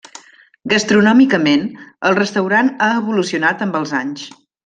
Gastronòmicament, el restaurant ha evolucionat amb els anys.